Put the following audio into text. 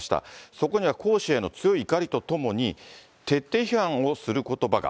そこには江氏への強い怒りとともに、徹底批判をすることばが。